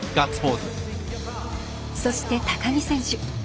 そして、高木選手。